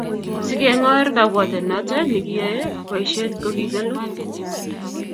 Sigengor kabwatet noto negiyey boishet kogigelu